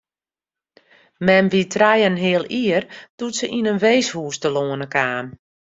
Mem wie trije en in heal jier doe't se yn in weeshûs telâne kaam.